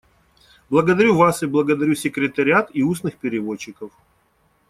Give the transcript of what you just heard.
Благодарю вас и благодарю секретариат и устных переводчиков.